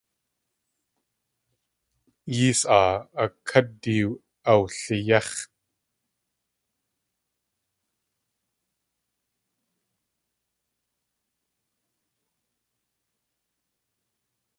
Yées aa a kádi awliyéx̲.